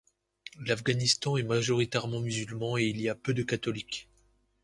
L'Afghanistan est majoritairement musulman et il y a peu de catholiques.